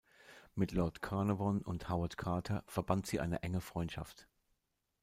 Mit Lord Carnarvon und Howard Carter verband sie eine enge Freundschaft.